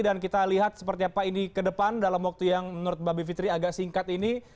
dan kita lihat seperti apa ini ke depan dalam waktu yang menurut mbak bivitri agak singkat ini